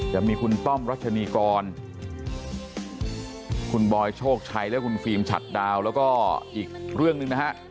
จะมีคุณต้อมรัชนีกรคุณบอยโชคชัยและคุณฟิล์มฉัดดาวแล้วก็อีกเรื่องหนึ่งนะฮะ